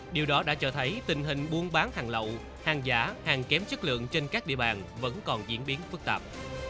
điều đó đã cho thấy tình hình buôn bán hàng lậu hàng giả hàng kém chất lượng trên các địa bàn vẫn còn diễn biến phức tạp